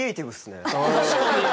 確かに。